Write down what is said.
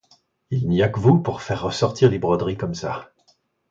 Il n'y a que vous pour faire ressortir les broderies comme ça.